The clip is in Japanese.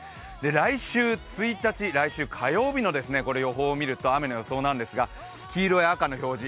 来週１日、来週火曜日の予報を見ると雨の予想なんですが黄色や赤の表示